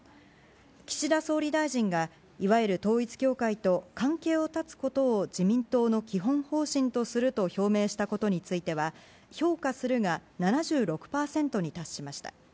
岸田総理大臣が、いわゆる統一教会と関係を断つことを自民党の基本方針とすると表明したことについては、評価するが７６％に達しました。